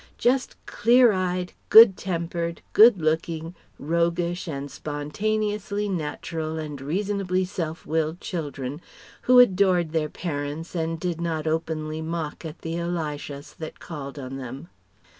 Just clear eyed, good tempered, good looking, roguish and spontaneously natural and reasonably self willed children, who adored their parents and did not openly mock at the Elishas that called on them.